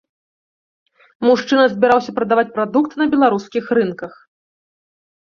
Мужчына збіраўся прадаваць прадукт на беларускіх рынках.